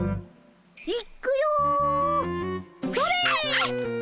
いっくよそれっ！